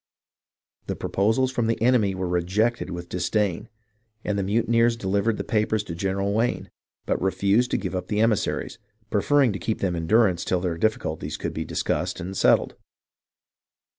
The proposals from the enemy were rejected with dis dain, and the mutineers delivered the papers to General Wayne, but refused to give up the emissaries, preferring to keep them in durance till their difficulties could be discussed and settled.